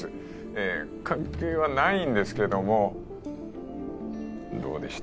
関係はないんですけどもどうでした？